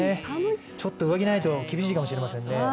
ちょっと上着ないと厳しいかもしれないですね。